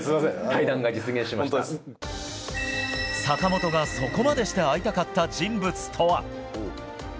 坂本がそこまでして会いたかった人物とは。